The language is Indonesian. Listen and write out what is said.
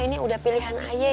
ini udah pilihan aja ya